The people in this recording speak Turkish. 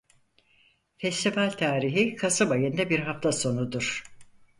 Festival tarihi Kasım ayında bir hafta sonudur.